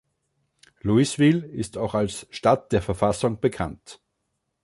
Louisville ist auch als „Stadt der Verfassung“ bekannt.